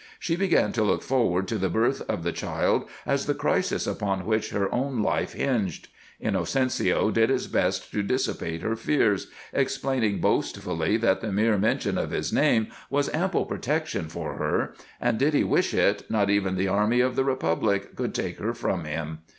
She began to look forward to the birth of the child as the crisis upon which her own life hinged. Inocencio did his best to dissipate her fears, explaining boastfully that the mere mention of his name was ample protection for her, and, did he wish it, not even the army of the Republic could take her from him.